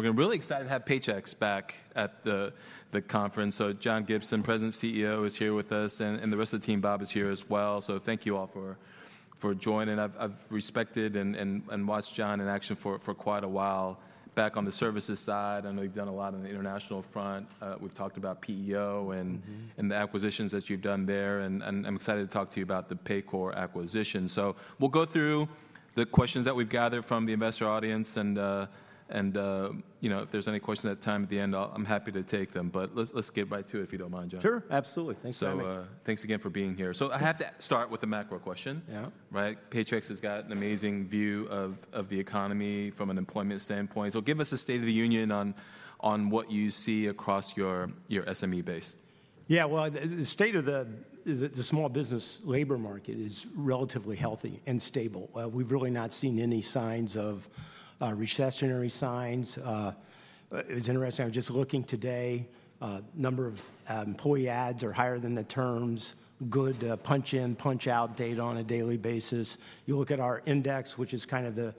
We're really excited to have Paychex back at the conference. John Gibson, President CEO, is here with us. The rest of the team, Bob, is here as well. Thank you all for joining. I've respected and watched John in action for quite a while. Back on the services side, I know you've done a lot on the international front. We've talked about PEO and the acquisitions that you've done there. I'm excited to talk to you about the Paycor acquisition. We'll go through the questions that we've gathered from the investor audience. If there's any questions at the time at the end, I'm happy to take them. Let's get right to it, if you don't mind, John. Sure. Absolutely. Thanks for having me. Thanks again for being here. I have to start with a macro question. Paychex has got an amazing view of the economy from an employment standpoint. Give us a state of the union on what you see across your SME base. Yeah. The state of the small business labor market is relatively healthy and stable. We've really not seen any signs of recessionary signs. It was interesting. I was just looking today - number of employee ads are higher than the terms. Good punch-in, punch-out data on a daily basis. You look at our index, which is kind of the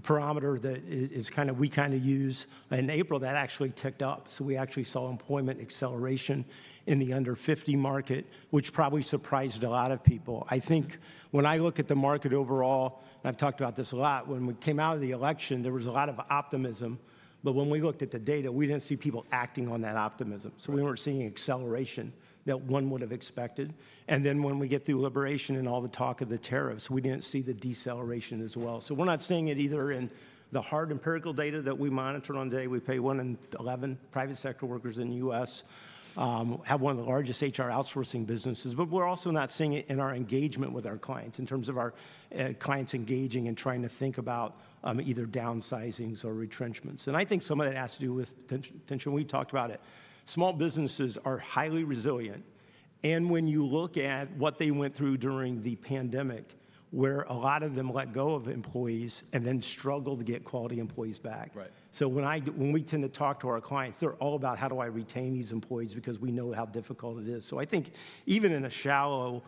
parameter that we kind of use. In April, that actually ticked up. We actually saw employment acceleration in the under 50 market, which probably surprised a lot of people. I think when I look at the market overall, and I've talked about this a lot, when we came out of the election, there was a lot of optimism. When we looked at the data, we didn't see people acting on that optimism. We weren't seeing acceleration that one would have expected. When we get through liberation and all the talk of the tariffs, we did not see the deceleration as well. We are not seeing it either in the hard empirical data that we monitor on today. We pay one in eleven private sector workers in the U.S., have one of the largest HR outsourcing businesses. We are also not seeing it in our engagement with our clients in terms of our clients engaging and trying to think about either downsizings or retrenchments. I think some of that has to do with tension. We talked about it. Small businesses are highly resilient. When you look at what they went through during the pandemic, where a lot of them let go of employees and then struggled to get quality employees back. When we tend to talk to our clients, they are all about, how do I retain these employees? Because we know how difficult it is. I think even in a shallow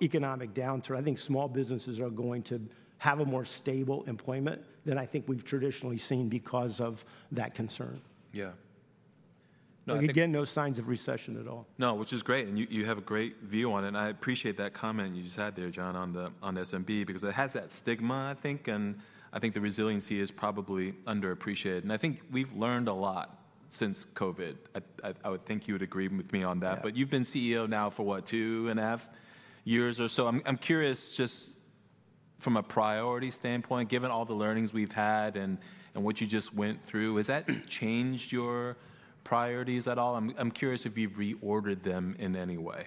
economic downturn, I think small businesses are going to have a more stable employment than I think we've traditionally seen because of that concern. Yeah. No, again, no signs of recession at all. No, which is great. You have a great view on it. I appreciate that comment you just had there, John, on SMB, because it has that stigma, I think. I think the resiliency is probably underappreciated. I think we've learned a lot since COVID. I would think you would agree with me on that. You've been CEO now for what, two and a half years or so? I'm curious, just from a priority standpoint, given all the learnings we've had and what you just went through, has that changed your priorities at all? I'm curious if you've reordered them in any way.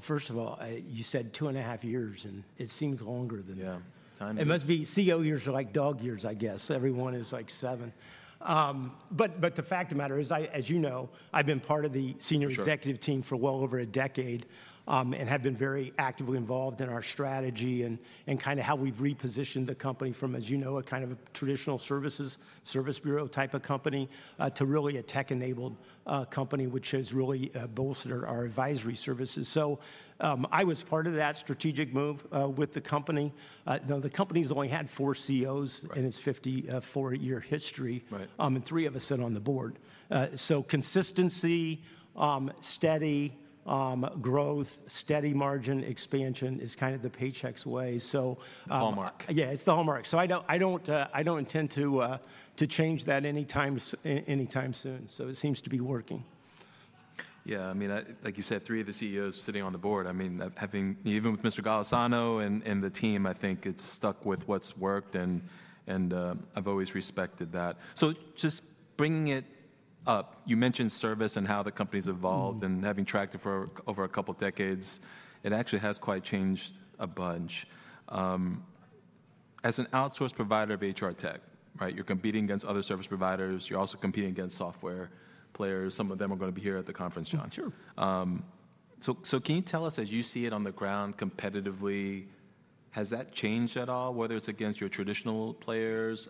First of all, you said two and a half years, and it seems longer than that. Yeah. It must be CEO years are like dog years, I guess. Everyone is like seven. The fact of the matter is, as you know, I've been part of the senior executive team for well over a decade and have been very actively involved in our strategy and kind of how we've repositioned the company from, as you know, a kind of traditional services, service bureau type of company to really a tech-enabled company, which has really bolstered our advisory services. I was part of that strategic move with the company. The company has only had four CEOs in its 54-year history, and three of us sit on the board. Consistency, steady growth, steady margin expansion is kind of the Paychex way. The hallmark. Yeah, it's the hallmark. I don't intend to change that anytime soon. It seems to be working. Yeah. I mean, like you said, three of the CEOs sitting on the board. I mean, even with Mr. Golisano and the team, I think it's stuck with what's worked. And I've always respected that. Just bringing it up, you mentioned service and how the company's evolved and having tracked it for over a couple of decades. It actually has quite changed a bunch. As an outsource provider of HR tech, you're competing against other service providers. You're also competing against software players. Some of them are going to be here at the conference, John. Sure. Can you tell us, as you see it on the ground competitively, has that changed at all, whether it's against your traditional players,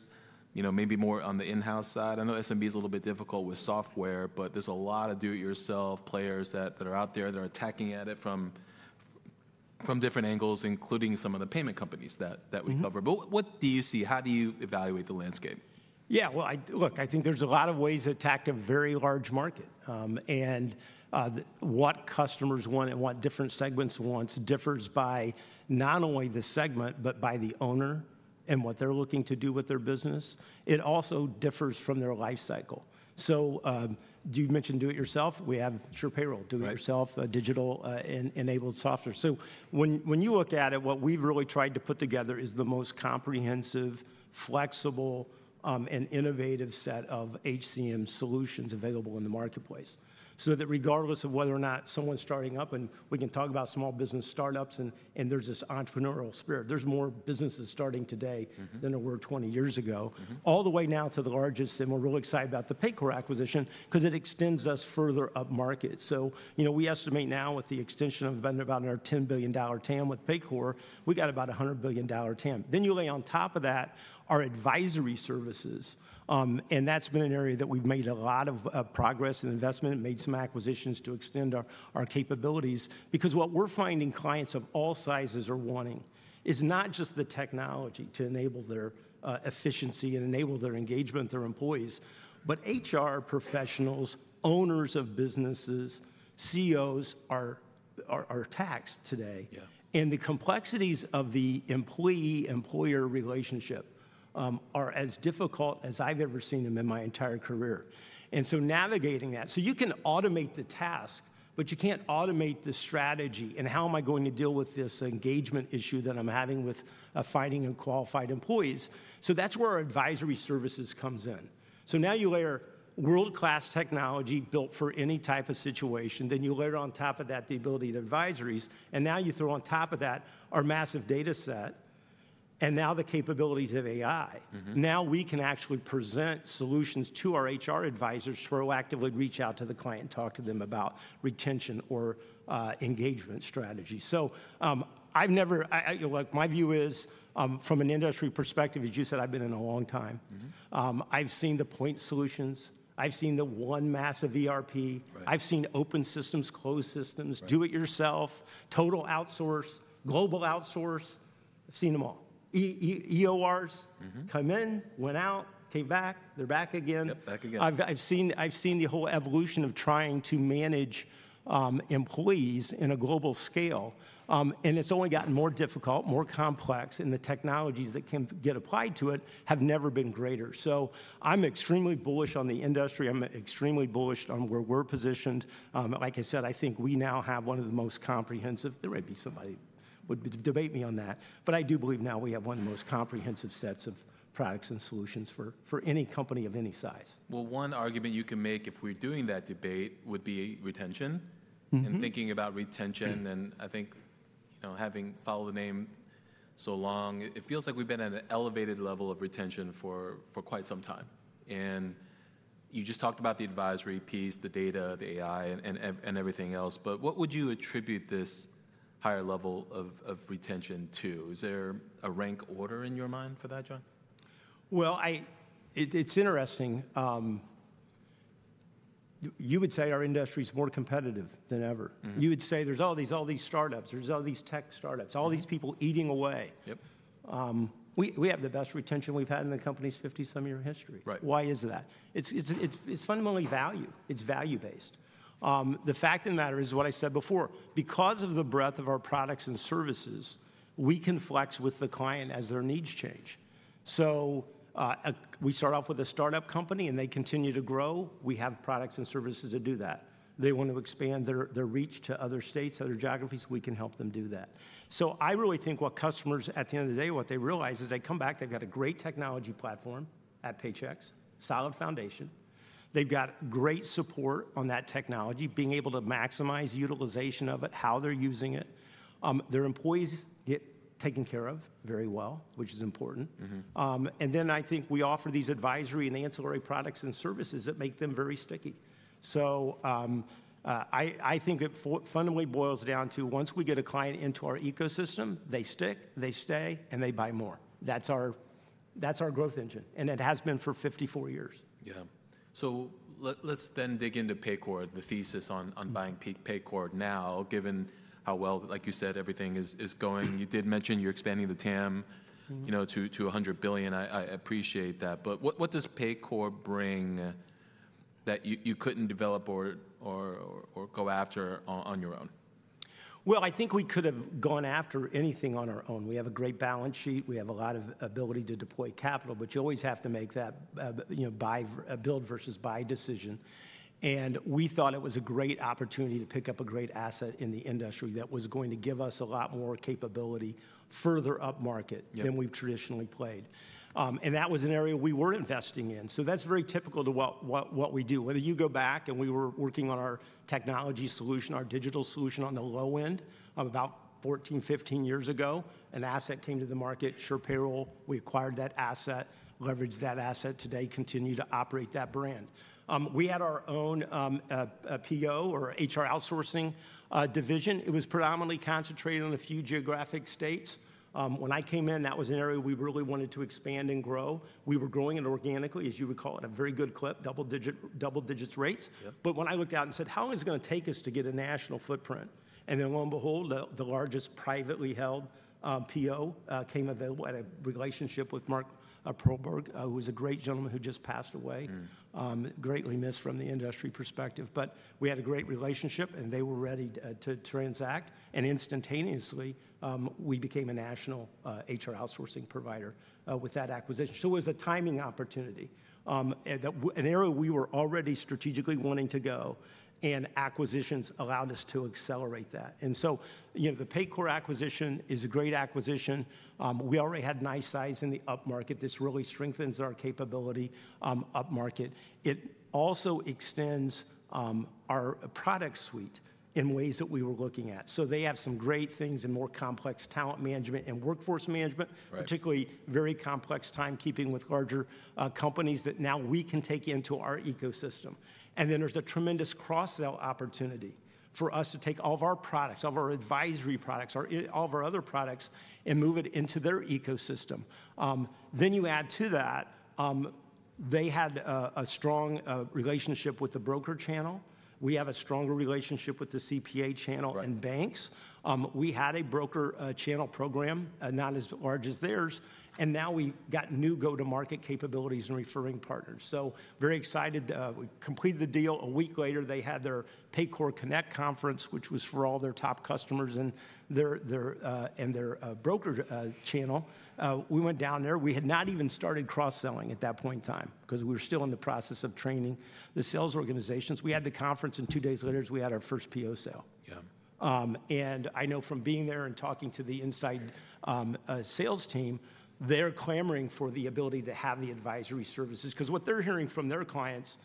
maybe more on the in-house side? I know SMB is a little bit difficult with software, but there's a lot of do-it-yourself players that are out there that are attacking at it from different angles, including some of the payment companies that we cover. What do you see? How do you evaluate the landscape? Yeah. Look, I think there's a lot of ways to attack a very large market. And what customers want and what different segments want differs by not only the segment, but by the owner and what they're looking to do with their business. It also differs from their lifecycle. You mentioned do-it-yourself. We have SurePayroll, do-it-yourself, digital-enabled software. When you look at it, what we've really tried to put together is the most comprehensive, flexible, and innovative set of HCM solutions available in the marketplace so that regardless of whether or not someone's starting up, and we can talk about small business startups, and there's this entrepreneurial spirit, there's more businesses starting today than there were 20 years ago, all the way now to the largest. We're really excited about the Paycor acquisition because it extends us further up market. We estimate now with the extension of about our $10 billion TAM with Paycor, we've got about a $100 billion TAM. You lay on top of that our advisory services. That's been an area that we've made a lot of progress and investment, made some acquisitions to extend our capabilities. What we're finding clients of all sizes are wanting is not just the technology to enable their efficiency and enable their engagement with their employees, but HR professionals, owners of businesses, CEOs are taxed today. The complexities of the employee-employer relationship are as difficult as I've ever seen them in my entire career. Navigating that, you can automate the task, but you can't automate the strategy. How am I going to deal with this engagement issue that I'm having with finding qualified employees? That's where our advisory services comes in. Now you layer world-class technology built for any type of situation. Then you layer on top of that the ability to advisories. Now you throw on top of that our massive data set and now the capabilities of AI. Now we can actually present solutions to our HR advisors to proactively reach out to the client, talk to them about retention or engagement strategy. My view is from an industry perspective, as you said, I've been in a long time. I've seen the point solutions. I've seen the one massive ERP. I've seen open systems, closed systems, do-it-yourself, total outsource, global outsource. I've seen them all. EORs come in, went out, came back. They're back again. Yep, back again. I've seen the whole evolution of trying to manage employees in a global scale. It has only gotten more difficult, more complex, and the technologies that can get applied to it have never been greater. I'm extremely bullish on the industry. I'm extremely bullish on where we're positioned. Like I said, I think we now have one of the most comprehensive. There may be somebody who would debate me on that. I do believe now we have one of the most comprehensive sets of products and solutions for any company of any size. One argument you can make if we're doing that debate would be retention and thinking about retention. I think having followed the name so long, it feels like we've been at an elevated level of retention for quite some time. You just talked about the advisory piece, the data, the AI, and everything else. What would you attribute this higher level of retention to? Is there a rank order in your mind for that, John? It is interesting. You would say our industry is more competitive than ever. You would say there are all these startups. There are all these tech startups, all these people eating away. We have the best retention we have had in the company's 50-some-year history. Why is that? It is fundamentally value. It is value-based. The fact of the matter is what I said before. Because of the breadth of our products and services, we can flex with the client as their needs change. We start off with a startup company, and they continue to grow. We have products and services to do that. They want to expand their reach to other states, other geographies. We can help them do that. I really think what customers, at the end of the day, what they realize is they come back, they have got a great technology platform at Paychex, solid foundation. They've got great support on that technology, being able to maximize utilization of it, how they're using it. Their employees get taken care of very well, which is important. I think we offer these advisory and ancillary products and services that make them very sticky. I think it fundamentally boils down to once we get a client into our ecosystem, they stick, they stay, and they buy more. That's our growth engine. It has been for 54 years. Yeah. So let's then dig into Paycor, the thesis on buying Paycor now, given how well, like you said, everything is going. You did mention you're expanding the TAM to $100 billion. I appreciate that. What does Paycor bring that you couldn't develop or go after on your own? I think we could have gone after anything on our own. We have a great balance sheet. We have a lot of ability to deploy capital, but you always have to make that build versus buy decision. We thought it was a great opportunity to pick up a great asset in the industry that was going to give us a lot more capability further up market than we've traditionally played. That was an area we were investing in. That's very typical to what we do. Whether you go back, and we were working on our technology solution, our digital solution on the low end about 14, 15 years ago, an asset came to the market, SurePayroll. We acquired that asset, leveraged that asset. Today, continue to operate that brand. We had our own PEO or HR outsourcing division. It was predominantly concentrated in a few geographic states. When I came in, that was an area we really wanted to expand and grow. We were growing it organically, as you recall, at a very good clip, double digits rates. When I looked out and said, how long is it going to take us to get a national footprint? Lo and behold, the largest privately held PEO came available at a relationship with Mark Perlberg, who is a great gentleman who just passed away, greatly missed from the industry perspective. We had a great relationship, and they were ready to transact. Instantaneously, we became a national HR outsourcing provider with that acquisition. It was a timing opportunity. An area we were already strategically wanting to go, and acquisitions allowed us to accelerate that. The Paycor acquisition is a great acquisition. We already had nice size in the up market. This really strengthens our capability up market. It also extends our product suite in ways that we were looking at. They have some great things in more complex talent management and workforce management, particularly very complex timekeeping with larger companies that now we can take into our ecosystem. There is a tremendous cross-sell opportunity for us to take all of our products, all of our advisory products, all of our other products, and move it into their ecosystem. You add to that, they had a strong relationship with the broker channel. We have a stronger relationship with the CPA channel and banks. We had a broker channel program, not as large as theirs. Now we got new go-to-market capabilities and referring partners. So very excited, we completed the deal. A week later, they had their Paycor Connect+ conference, which was for all their top customers and their broker channel. We went down there. We had not even started cross-selling at that point in time because we were still in the process of training the sales organizations. We had the conference, and two days later, we had our first PEO sale. I know from being there and talking to the inside sales team, they're clamoring for the ability to have the advisory services. What they're hearing from their clients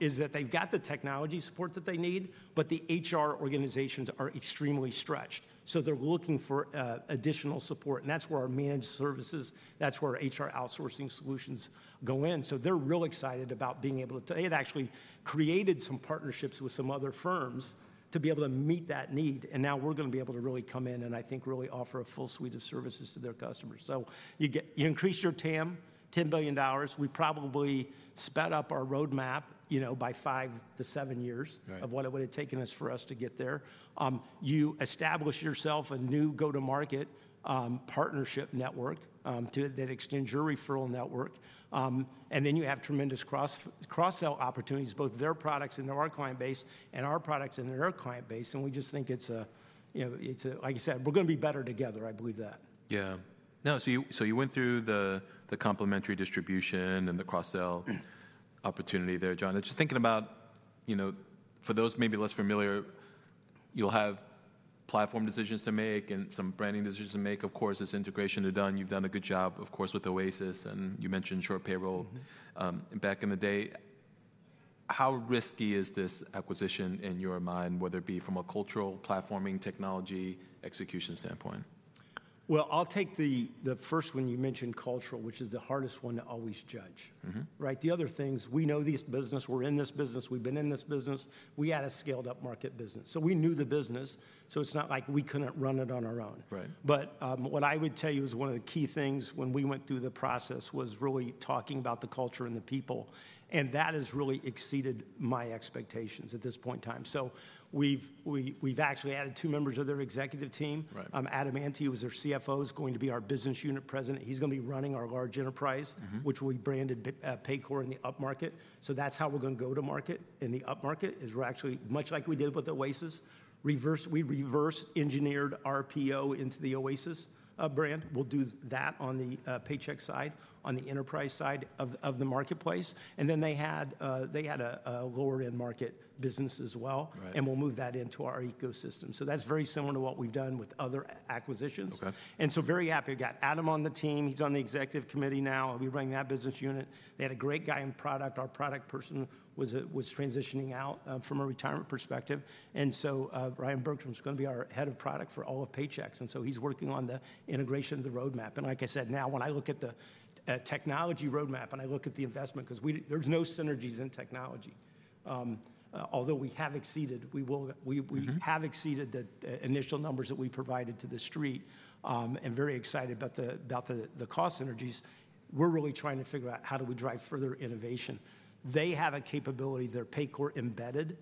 is that they've got the technology support that they need, but the HR organizations are extremely stretched. They are looking for additional support. That is where our managed services, that is where our HR outsourcing solutions go in. They're real excited about being able to, they had actually created some partnerships with some other firms to be able to meet that need. Now we're going to be able to really come in and I think really offer a full suite of services to their customers. You increase your TAM, $10 billion. We probably sped up our roadmap by five to seven years of what it would have taken us to get there. You establish yourself a new go-to-market partnership network that extends your referral network. You have tremendous cross-sell opportunities, both their products and our client base and our products and their client base. We just think it's, like I said, we're going to be better together. I believe that. Yeah. No, so you went through the complementary distribution and the cross-sell opportunity there, John. Just thinking about, for those maybe less familiar, you'll have platform decisions to make and some branding decisions to make. Of course, this integration is done. You've done a good job, of course, with Oasis. And you mentioned SurePayroll back in the day. How risky is this acquisition in your mind, whether it be from a cultural, platforming, technology execution standpoint? I'll take the first one you mentioned, cultural, which is the hardest one to always judge. The other things, we know this business. We're in this business. We've been in this business. We had a scaled-up market business. So we knew the business. It's not like we couldn't run it on our own. What I would tell you is one of the key things when we went through the process was really talking about the culture and the people. That has really exceeded my expectations at this point in time. We've actually added two members of their executive team. Adam Ante, who was their CFO, is going to be our business unit president. He's going to be running our large enterprise, which we branded Paycor in the up market. That's how we're going to go to market in the up market is we're actually, much like we did with Oasis, we reverse engineered our PEO into the Oasis brand. We'll do that on the Paychex side, on the enterprise side of the marketplace. They had a lower-end market business as well. We'll move that into our ecosystem. That's very similar to what we've done with other acquisitions. Very happy we've got Adam on the team. He's on the executive committee now. We bring that business unit. They had a great guy in product. Our product person was transitioning out from a retirement perspective. Ryan Bergstrom is going to be our head of product for all of Paychex. He's working on the integration of the roadmap. Like I said, now when I look at the technology roadmap and I look at the investment, because there are no synergies in technology, although we have exceeded the initial numbers that we provided to the street and are very excited about the cost synergies, we are really trying to figure out how do we drive further innovation. They have a capability, their Paycor embedded,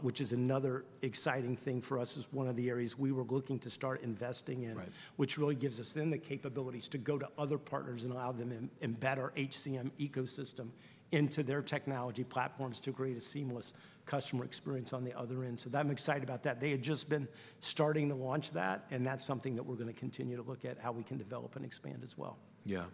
which is another exciting thing for us. It is one of the areas we were looking to start investing in, which really gives us then the capabilities to go to other partners and allow them to embed our HCM ecosystem into their technology platforms to create a seamless customer experience on the other end. I am excited about that. They had just been starting to launch that. That's something that we're going to continue to look at how we can develop and expand as well. Yeah.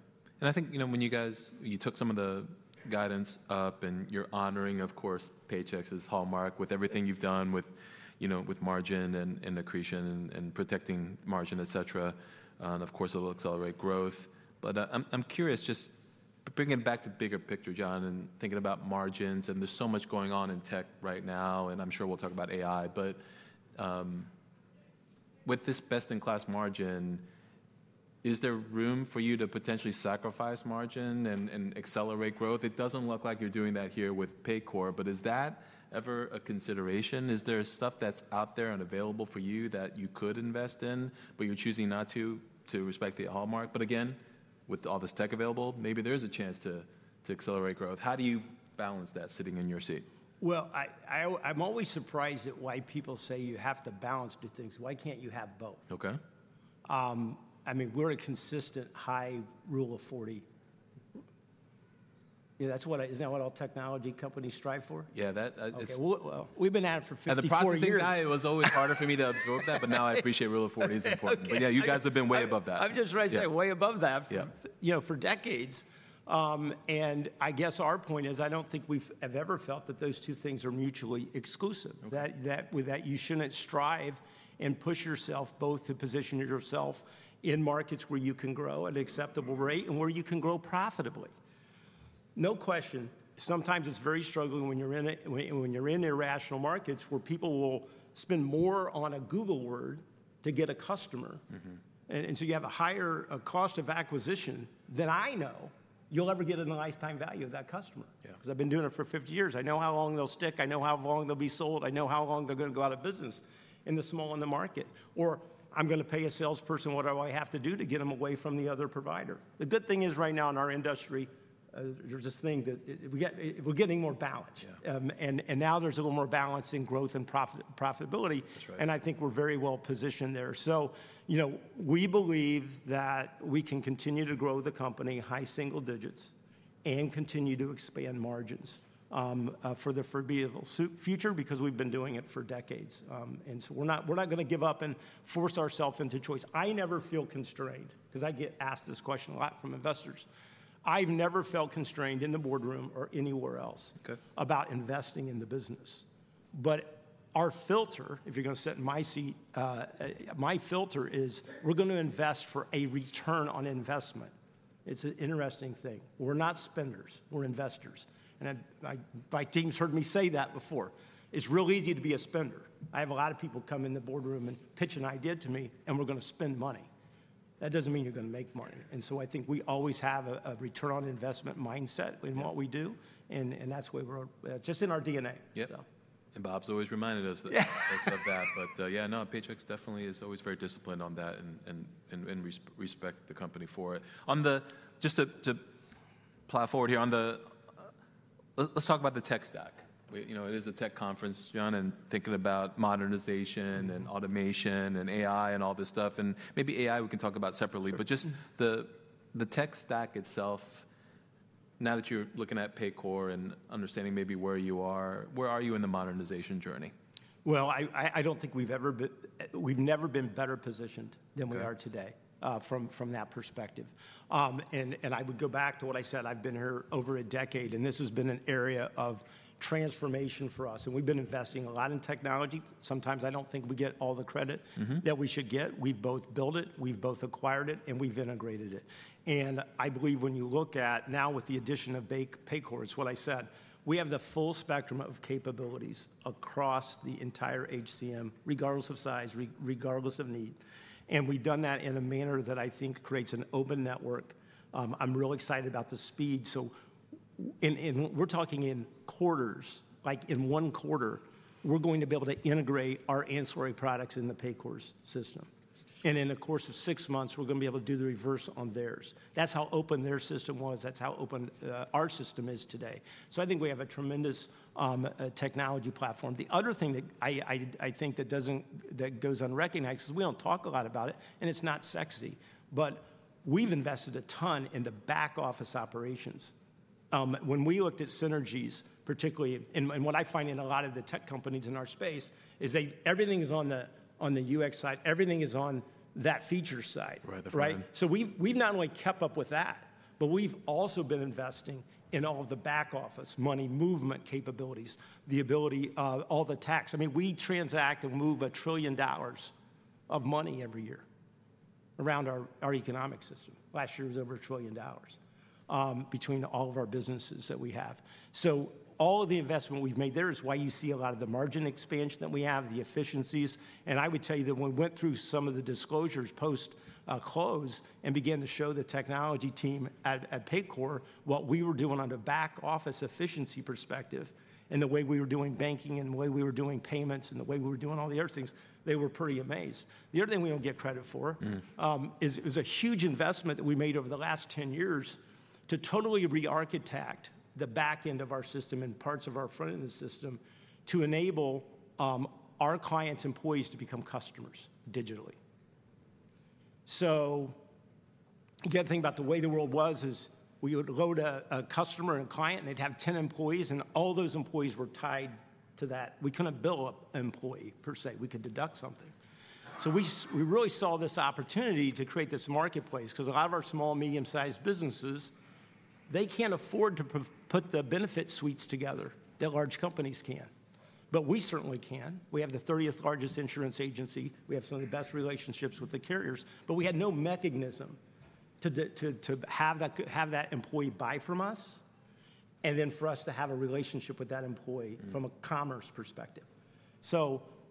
I think when you guys, you took some of the guidance up and you're honoring, of course, Paychex's hallmark with everything you've done with margin and accretion and protecting margin, et cetera. Of course, it'll accelerate growth. I'm curious, just bringing it back to the bigger picture, John, and thinking about margins. There's so much going on in tech right now. I'm sure we'll talk about AI. With this best-in-class margin, is there room for you to potentially sacrifice margin and accelerate growth? It doesn't look like you're doing that here with Paycor. Is that ever a consideration? Is there stuff that's out there and available for you that you could invest in, but you're choosing not to, to respect the hallmark? Again, with all this tech available, maybe there is a chance to accelerate growth. How do you balance that sitting in your seat? I'm always surprised at why people say you have to balance two things. Why can't you have both? Okay. I mean, we're a consistent high rule of 40. Isn't that what all technology companies strive for? Yeah. We've been at it for 54 years. The prosecute guy was always harder for me to absorb that. Now I appreciate rule of 40 is important. Yeah, you guys have been way above that. I'm just right to say way above that for decades. I guess our point is I don't think we've ever felt that those two things are mutually exclusive, that you shouldn't strive and push yourself both to position yourself in markets where you can grow at an acceptable rate and where you can grow profitably. No question. Sometimes it's very struggling when you're in irrational markets where people will spend more on a Google word to get a customer. You have a higher cost of acquisition than I know you'll ever get in the lifetime value of that customer. Because I've been doing it for 50 years. I know how long they'll stick. I know how long they'll be sold. I know how long they're going to go out of business in the small in the market. I'm going to pay a salesperson whatever I have to do to get them away from the other provider. The good thing is right now in our industry; there's this thing that we're getting more balance. Now there's a little more balance in growth and profitability. I think we're very well positioned there. We believe that we can continue to grow the company high single digits and continue to expand margins for the foreseeable future because we've been doing it for decades. We're not going to give up and force ourselves into choice. I never feel constrained because I get asked this question a lot from investors. I've never felt constrained in the boardroom or anywhere else about investing in the business. Our filter, if you're going to sit in my seat, my filter is we're going to invest for a return on investment. It's an interesting thing. We're not spenders. We're investors. My team's heard me say that before. It's really easy to be a spender. I have a lot of people come in the boardroom and pitch an idea to me, and we're going to spend money. That doesn't mean you're going to make money. I think we always have a return on investment mindset in what we do. That's just in our DNA. Yeah. Bob's always reminded us of that. Paychex definitely is always very disciplined on that and respect the company for it. Just to pull forward here, let's talk about the tech stack. It is a tech conference, John, and thinking about modernization and automation and AI and all this stuff. Maybe AI we can talk about separately. Just the tech stack itself, now that you're looking at Paycor and understanding maybe where you are, where are you in the modernization journey? I do not think we have ever been better positioned than we are today from that perspective. I would go back to what I said. I have been here over a decade, and this has been an area of transformation for us. We have been investing a lot in technology. Sometimes I do not think we get all the credit that we should get. We have both built it, we have both acquired it, and we have integrated it. I believe when you look at now with the addition of Paycor, it is what I said. We have the full spectrum of capabilities across the entire HCM, regardless of size, regardless of need. We have done that in a manner that I think creates an open network. I am really excited about the speed. We're talking in quarters, like in one quarter, we're going to be able to integrate our ancillary products in the Paycor system. In the course of six months, we're going to be able to do the reverse on theirs. That's how open their system was. That's how open our system is today. I think we have a tremendous technology platform. The other thing that I think that goes unrecognized is we do not talk a lot about it, and it's not sexy. We've invested a ton in the back-office operations. When we looked at synergies, particularly, what I find in a lot of the tech companies in our space is everything is on the UX side. Everything is on that feature side. We have not only kept up with that, but we have also been investing in all of the back-office money movement capabilities, the ability of all the tax. I mean, we transact and move a trillion dollars of money every year around our economic system. Last year was over a trillion dollars between all of our businesses that we have. All of the investment we have made there is why you see a lot of the margin expansion that we have, the efficiencies. I would tell you that when we went through some of the disclosures post-close and began to show the technology team at Paycor what we were doing on a back-office efficiency perspective and the way we were doing banking and the way we were doing payments and the way we were doing all the other things, they were pretty amazed. The other thing we do not get credit for is a huge investment that we made over the last 10 years to totally re-architect the back end of our system and parts of our front end of the system to enable our clients' employees to become customers digitally. The other thing about the way the world was is we would go to a customer and a client, and they would have 10 employees, and all those employees were tied to that. We could not bill an employee per se. We could deduct something. We really saw this opportunity to create this marketplace because a lot of our small, medium-sized businesses, they cannot afford to put the benefit suites together that large companies can. We certainly can. We have the 30th largest insurance agency. We have some of the best relationships with the carriers. We had no mechanism to have that employee buy from us and then for us to have a relationship with that employee from a commerce perspective.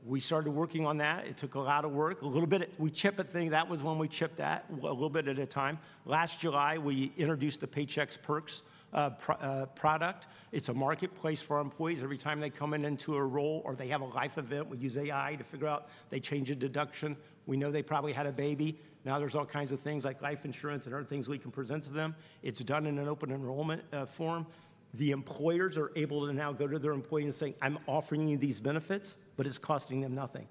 We started working on that. It took a lot of work. A little bit, we chipped a thing. That was when we chipped that a little bit at a time. Last July, we introduced the Paychex Perks product. It is a marketplace for our employees. Every time they come in into a role or they have a life event, we use AI to figure out. They change a deduction. We know they probably had a baby. Now there are all kinds of things like life insurance and other things we can present to them. It is done in an open enrollment form. The employers are able to now go to their employees and say, "I'm offering you these benefits, but it's costing them nothing,"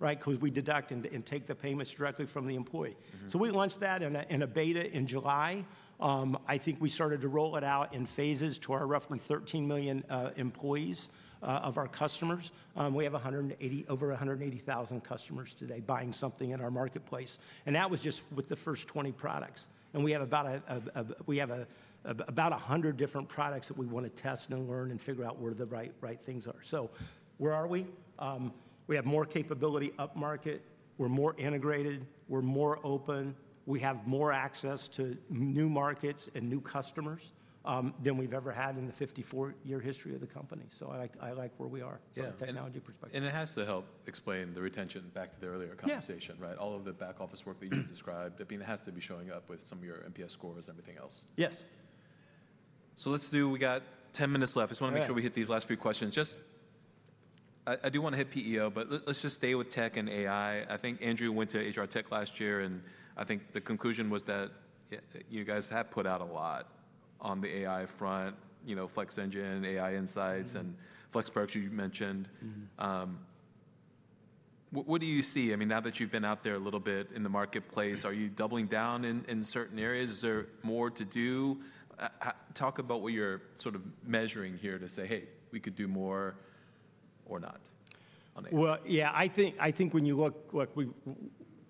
because we deduct and take the payments directly from the employee. We launched that in a beta in July. I think we started to roll it out in phases to our roughly 13 million employees of our customers. We have over 180,000 customers today buying something in our marketplace. That was just with the first 20 products. We have about 100 different products that we want to test and learn and figure out where the right things are. Where are we? We have more capability up market. We are more integrated. We are more open. We have more access to new markets and new customers than we have ever had in the 54-year history of the company. I like where we are from a technology perspective. It has to help explain the retention back to the earlier conversation. All of the back-office work that you've described, I mean, it has to be showing up with some of your NPS scores and everything else. Yes. Let's do, we got 10 minutes left. I just want to make sure we hit these last few questions. I do want to hit PEO, but let's just stay with tech and AI. I think Andrew went to HR Tech last year, and I think the conclusion was that you guys have put out a lot on the AI front, Flex Engine, AI Insights, and FlexPerks, you mentioned. What do you see? I mean, now that you've been out there a little bit in the marketplace, are you doubling down in certain areas? Is there more to do? Talk about what you're sort of measuring here to say, "Hey, we could do more or not." Yeah, I think when you look,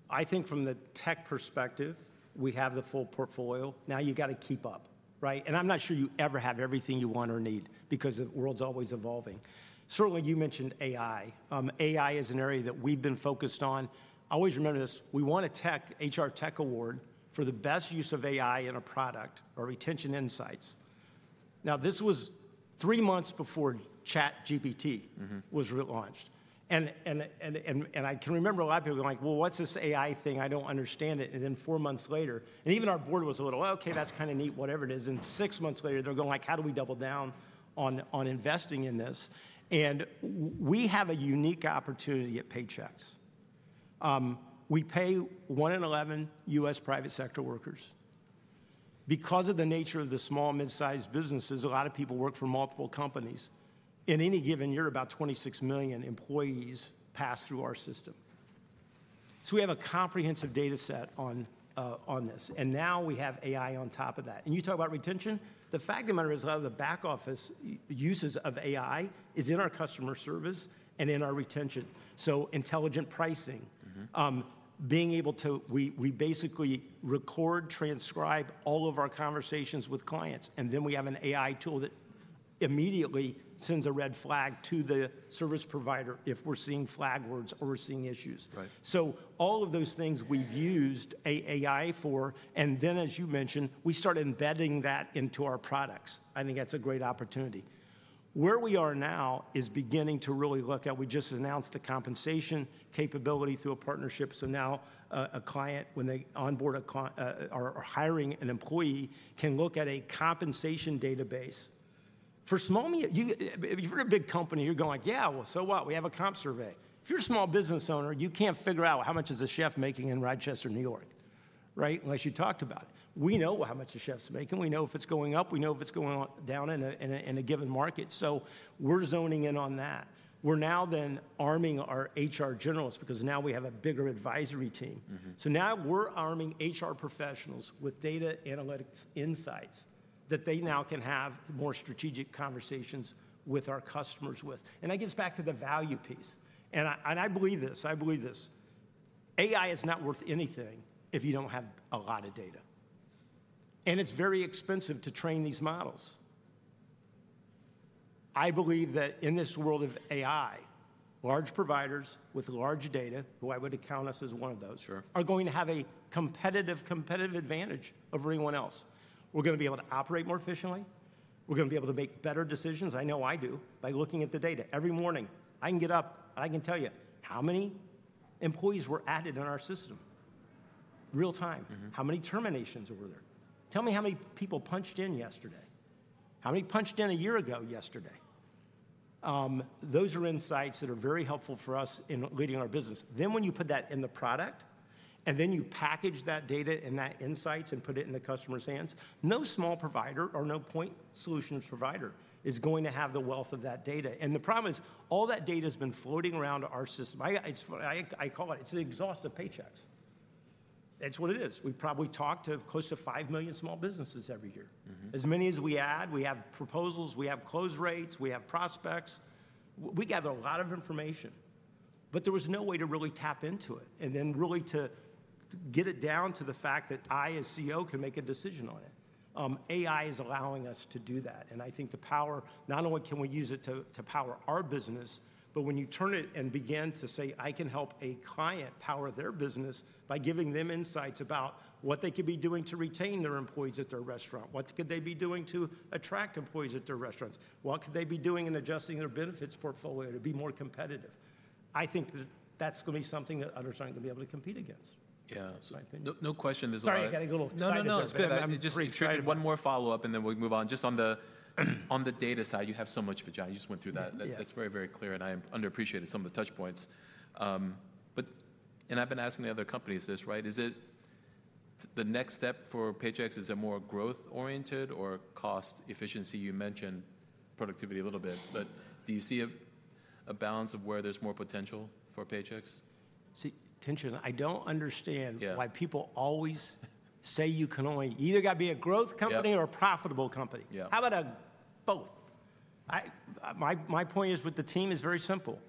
I think from the tech perspective, we have the full portfolio. Now you got to keep up. I'm not sure you ever have everything you want or need because the world's always evolving. Certainly, you mentioned AI. AI is an area that we've been focused on. I always remember this. We won a HR Tech Award for the best use of AI in a product or Retention Insights. Now, this was three months before ChatGPT was relaunched. I can remember a lot of people going like, "Well, what's this AI thing? I don't understand it." Four months later, and even our board was a little, "Okay, that's kind of neat, whatever it is." Six months later, they're going like, "How do we double down on investing in this?" We have a unique opportunity at Paychex. We pay 1 in 11 U.S. private sector workers. Because of the nature of the small, mid-sized businesses, a lot of people work for multiple companies. In any given year, about 26 million employees pass through our system. We have a comprehensive data set on this. Now we have AI on top of that. You talk about retention. The fact of the matter is a lot of the back-office uses of AI is in our customer service and in our retention. Intelligent pricing, being able to, we basically record, transcribe all of our conversations with clients. We have an AI tool that immediately sends a red flag to the service provider if we are seeing flag words or we are seeing issues. All of those things we have used AI for. As you mentioned, we start embedding that into our products. I think that's a great opportunity. Where we are now is beginning to really look at, we just announced the compensation capability through a partnership. Now a client, when they onboard or are hiring an employee, can look at a compensation database. For small, if you're a big company, you're going like, "Yeah, well, so what? We have a comp survey." If you're a small business owner, you can't figure out how much is a chef making in Rochester, New York, unless you talked about it. We know how much a chef's making. We know if it's going up. We know if it's going down in a given market. We're zoning in on that. We're now then arming our HR generalists because now we have a bigger advisory team. We're arming HR professionals with data analytics insights that they now can have more strategic conversations with our customers with. That gets back to the value piece. I believe this. I believe this. AI is not worth anything if you do not have a lot of data. It is very expensive to train these models. I believe that in this world of AI, large providers with large data, who I would count us as one of those, are going to have a competitive advantage over anyone else. We're going to be able to operate more efficiently. We're going to be able to make better decisions. I know I do by looking at the data. Every morning, I can get up and I can tell you how many employees were added in our system real time, how many terminations were there. Tell me how many people punched in yesterday, how many punched in a year ago yesterday. Those are insights that are very helpful for us in leading our business. When you put that in the product and you package that data and that insights and put it in the customer's hands, no small provider or no point solutions provider is going to have the wealth of that data. The problem is all that data has been floating around our system. I call it, it's an exhaust of Paychex. That's what it is. We probably talk to close to 5 million small businesses every year. As many as we add, we have proposals, we have close rates, we have prospects. We gather a lot of information, but there was no way to really tap into it and then really to get it down to the fact that I, as CEO, can make a decision on it. AI is allowing us to do that. I think the power, not only can we use it to power our business, but when you turn it and begin to say, "I can help a client power their business by giving them insights about what they could be doing to retain their employees at their restaurant. What could they be doing to attract employees at their restaurants? What could they be doing in adjusting their benefits portfolio to be more competitive?" I think that that's going to be something that others aren't going to be able to compete against. Yeah. No question. Sorry, I got a little side. No, no, no. It's good. I'm just excited. One more follow-up, and then we'll move on. Just on the data side, you have so much of it, John. You just went through that. That's very, very clear. And I underappreciated some of the touch points. I've been asking the other companies this, right? Is it the next step for Paychex? Is it more growth-oriented or cost efficiency? You mentioned productivity a little bit, but do you see a balance of where there's more potential for Paychex? See, I do not understand why people always say you can only either got to be a growth company or a profitable company. How about both? My point is with the team is very simple.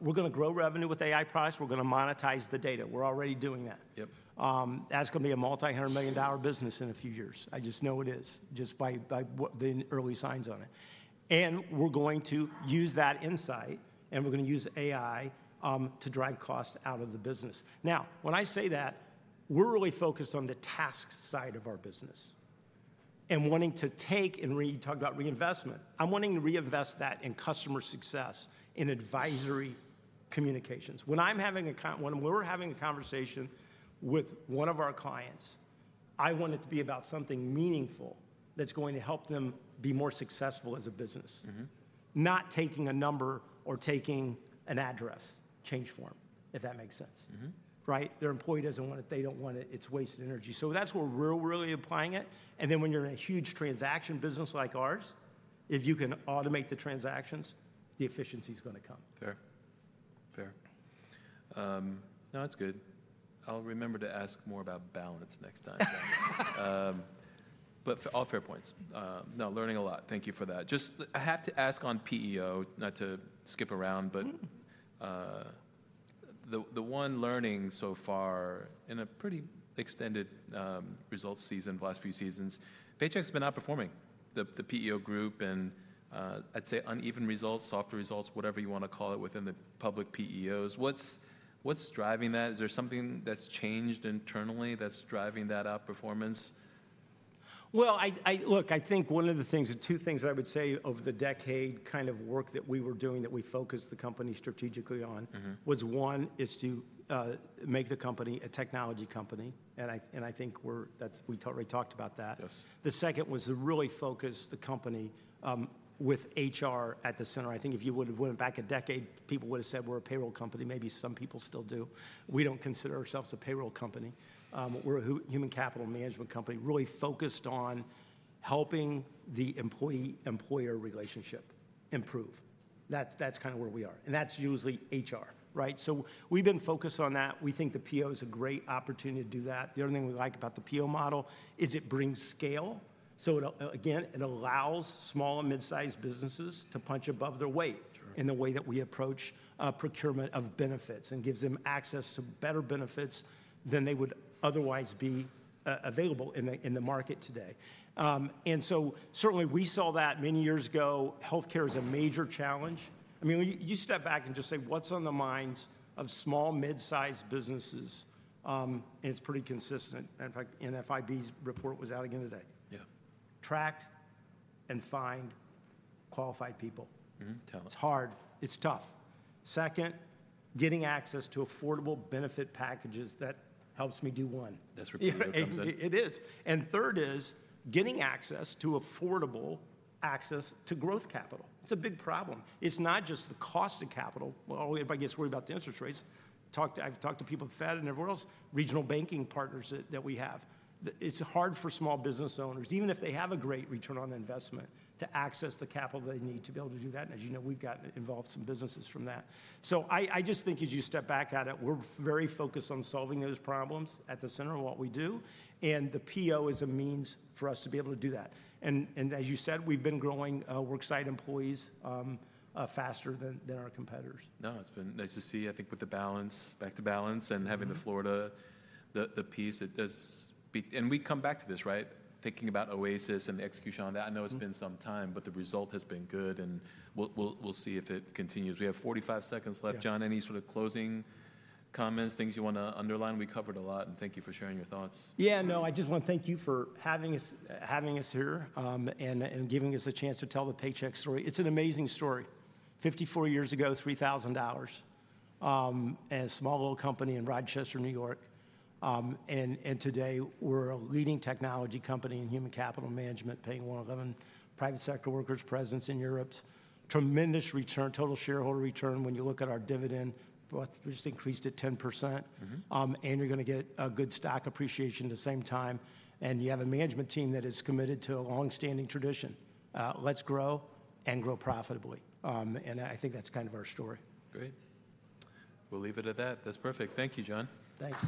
We are going to grow revenue with AI products. We are going to monetize the data. We are already doing that. Yup. That is going to be a multi-$100 million business in a few years. I just know it is just by the early signs on it. We are going to use that insight, and we are going to use AI to drive cost out of the business. Now, when I say that, we are really focused on the task side of our business and wanting to take and talk about reinvestment. I am wanting to reinvest that in customer success, in advisory communications. When I'm having a, when we're having a conversation with one of our clients, I want it to be about something meaningful that's going to help them be more successful as a business, not taking a number or taking an address change form, if that makes sense. Their employee doesn't want it. They don't want it. It's wasted energy. That's where we're really applying it. When you're in a huge transaction business like ours, if you can automate the transactions, the efficiency is going to come. Fair. Fair. No, that's good. I'll remember to ask more about balance next time. All fair points. No, learning a lot. Thank you for that. I have to ask on PEO, not to skip around, but the one learning so far in a pretty extended results season, the last few seasons, Paychex has been outperforming the PEO group and I'd say uneven results, softer results, whatever you want to call it within the public PEOs. What's driving that? Is there something that's changed internally that's driving that outperformance? I think one of the things, the two things I would say over the decade kind of work that we were doing that we focused the company strategically on was one is to make the company a technology company. I think we already talked about that. The second was to really focus the company with HR at the center. I think if you would have went back a decade, people would have said we're a payroll company. Maybe some people still do. We do not consider ourselves a payroll company. We are a human capital management company really focused on helping the employee-employer relationship improve. That is kind of where we are. That is usually HR. We have been focused on that. We think the PEO is a great opportunity to do that. The only thing we like about the PEO model is it brings scale. Again, it allows small and mid-sized businesses to punch above their weight in the way that we approach procurement of benefits and gives them access to better benefits than they would otherwise be available in the market today. Certainly, we saw that many years ago. Healthcare is a major challenge. I mean, you step back and just say, what's on the minds of small, mid-sized businesses? It's pretty consistent. In fact, NFIB's report was out again today. Tracked and find qualified people. It's hard. It's tough. Second, getting access to affordable benefit packages that helps me do one. It is. Third is getting access to affordable access to growth capital. It's a big problem. It's not just the cost of capital. If I get worried about the interest rates, I've talked to people at the Fed and everywhere else, regional banking partners that we have. It's hard for small business owners, even if they have a great return on investment, to access the capital they need to be able to do that. As you know, we've got involved some businesses from that. I just think as you step back at it, we're very focused on solving those problems at the center of what we do. The PEO is a means for us to be able to do that. As you said, we've been growing. We're excited employees faster than our competitors. No, it's been nice to see, I think, with the balance, back to balance and having the Florida piece. We come back to this, right? Thinking about Oasis and the execution on that. I know it's been some time, but the result has been good. We will see if it continues. We have 45 seconds left, John. Any sort of closing comments, things you want to underline? We covered a lot, and thank you for sharing your thoughts. Yeah, no, I just want to thank you for having us here and giving us a chance to tell the Paychex story. It's an amazing story. Fifty-four years ago, $3,000 and a small little company in Rochester, New York. Today we're a leading technology company in human capital management, paying 1 in 11 private sector workers, presence in Europe. Tremendous return, total shareholder returns when you look at our dividend, we just increased it 10%. You're going to get a good stock appreciation at the same time. You have a management team that is committed to a long-standing tradition. Let's grow and grow profitably. I think that's kind of our story. Great. We'll leave it at that. That's perfect. Thank you, John. Thanks.